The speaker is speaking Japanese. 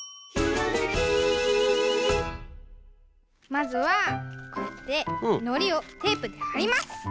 まずはこうやってのりをテープではります。